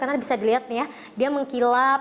karena bisa dilihat nih ya dia mengkilap